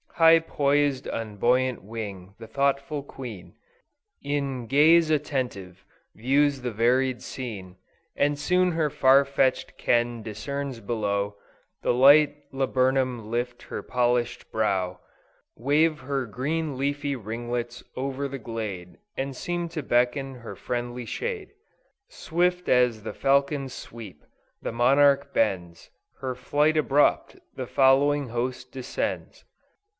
High pois'd on buoyant wing, the thoughtful queen, In gaze attentive, views the varied scene, And soon her far fetch'd ken discerns below The light laburnum lift her polish'd brow, Wave her green leafy ringlets o'er the glade, And seem to beckon to her friendly shade. Swift as the falcon's sweep, the monarch bends Her flight abrupt; the following host descends.